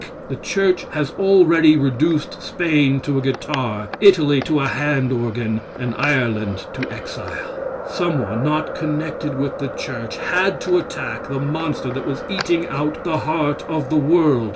The church has already reduced Spain to a guitar, Italy to a hand organ, and Ireland to exile. Some one, not connected with the church, had to attack the monster that was eating out the heart of the world.